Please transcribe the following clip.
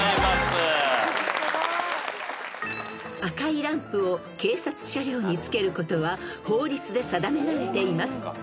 ［赤いランプを警察車両につけることは法律で定められています］